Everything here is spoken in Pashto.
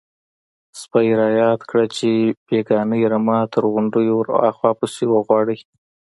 _سپي را ياده کړه چې بېګانۍ رمه تر غونډيو ورهاخوا پسې وغواړئ.